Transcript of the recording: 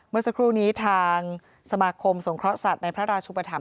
เมื่อสักครู่นี้ทางสมาคมสงเคราะห์สัตว์ในพระราชุปธรรม